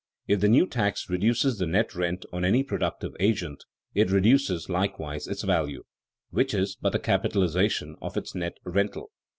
_ If the new tax reduces the net rent of any productive agent, it reduces likewise its value, which is but the capitalization of its net rental.